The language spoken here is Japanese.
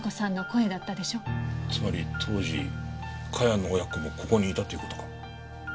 つまり当時茅野親子もここにいたっていう事か。